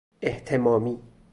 اهتمامی